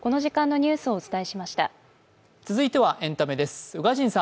続いてはエンタメです。